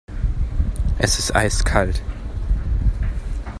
Es ist eiskalt.